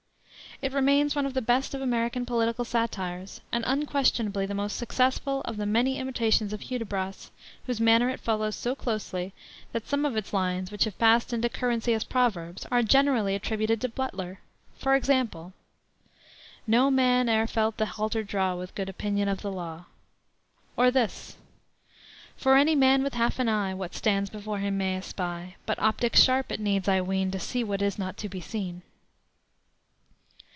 It remains one of the best of American political satires, and unquestionably the most successful of the many imitations of Hudibras, whose manner it follows so closely that some of its lines, which have passed into currency as proverbs, are generally attributed to Butler. For example: "No man e'er felt the halter draw With good opinion of the law." Or this: "For any man with half an eye What stands before him may espy; But optics sharp it needs, I ween, To see what is not to be seen."